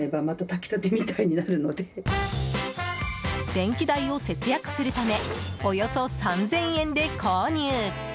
電気代を節約するためおよそ３０００円で購入。